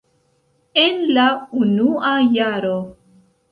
En la unua jaro.